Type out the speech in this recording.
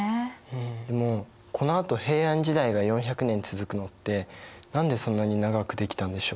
でもこのあと平安時代が４００年続くのって何でそんなに長くできたんでしょう？